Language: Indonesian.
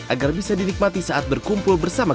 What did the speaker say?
agar bisa dinikmati saat berkumpul bersama